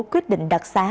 quyết định đặc xá